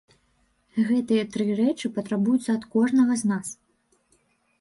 Гэтыя тры рэчы патрабуюцца ад кожнага з нас.